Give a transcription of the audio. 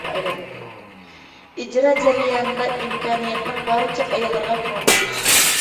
ئىجرا جەريانىدا ئىمكانىيەتنىڭ بارىچە ئاياللارغا كۆڭۈل بۆلۈش.